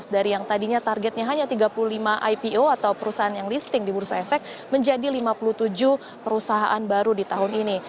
dari yang tadinya targetnya hanya tiga puluh lima ipo atau perusahaan yang listing di bursa efek menjadi lima puluh tujuh perusahaan baru di tahun ini